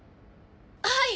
はい！